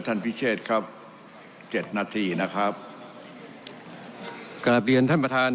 พิเชษครับเจ็ดนาทีนะครับกลับเรียนท่านประธาน